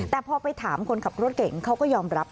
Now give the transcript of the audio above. แต่พอไปถามคนขับรถเก่งเขาก็ยอมรับ